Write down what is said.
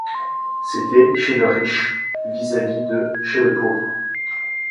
C’était Chez le Riche vis-à-vis de Chez le Pauvre.